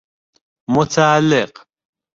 متعلق